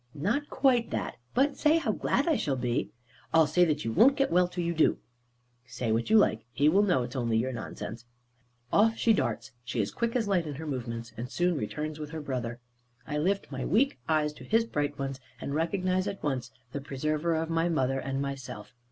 "Not quite that. But say how glad I shall be." "I'll say that you won't get well till you do." "Say what you like. He will know it's only your nonsense." Off she darts; she is quick as light in her movements, and soon returns with her brother. I lift my weak eyes to his bright ones, and recognise at once the preserver of my mother and myself.